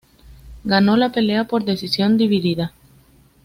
Ganó la pelea por decisión dividida.